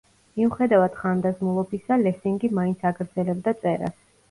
მიუხედავად ხანდაზმულობისა, ლესინგი მაინც აგრძელებდა წერას.